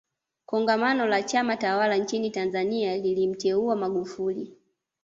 kongamano la chama tawala nchini tanzania lilimteua magufuli